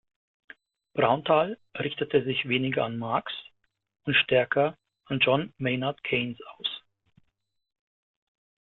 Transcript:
Braunthal richtete sich weniger an Marx und stärker an John Maynard Keynes aus.